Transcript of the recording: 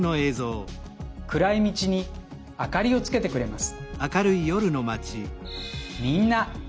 暗い道にあかりをつけてくれます。